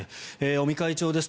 尾身会長です。